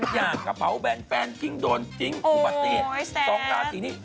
ทุกอย่างกระเภาแบนแฟนทิ้งโดนทิ้งอุบัติสองราศีนี้